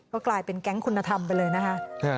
ก็กลายเป็นแก๊งคุณธรรมไปเลยนะคะ